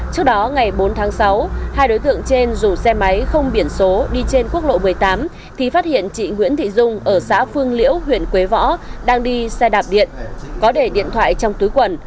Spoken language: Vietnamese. trước đó ngày bốn tháng sáu hai đối tượng trên dù xe máy không biển số đi trên quốc lộ một mươi tám thì phát hiện chị nguyễn thị dung ở xã phương liễu huyện quế võ đang đi xe đạp điện có để điện thoại trong túi quần